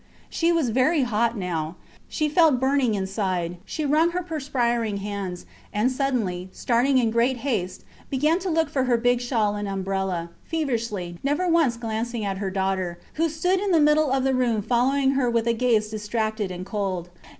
She was very hot now. She felt burning inside. She wrung her perspiring hands and suddenly, starting in great haste, began to look for her big shawl and umbrella, feverishly, never once glancing at her daughter, who stood in the middle of the room following her with a gaze distracted and cold.